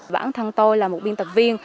bản thân tôi là một biên tập viên